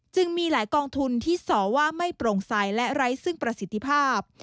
มีหลายกองทุนที่สอว่าไม่โปร่งใสและไร้ซึ่งประสิทธิภาพ